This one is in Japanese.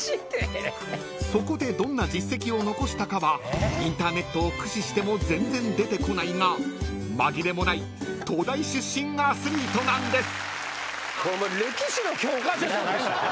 ［そこでどんな実績を残したかはインターネットを駆使しても全然出てこないが紛れもない東大出身アスリートなんです］